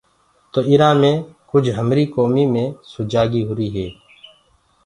تو اِرآ مي ڪُج هميريٚ ڪومي مي سُجاڳي هُري هي۔